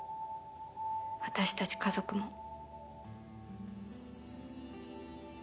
私たち家族も。